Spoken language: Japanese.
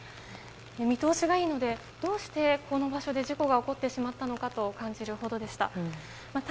見通しがいいのでどうしてこの場所で事故が起こってしまったのかと感じるほどでした。